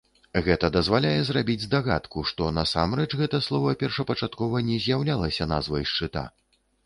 Гэта дазваляе зрабіць здагадку, што насамрэч гэта слова першапачаткова не з'яўлялася назвай шчыта.